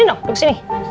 sini dong duduk sini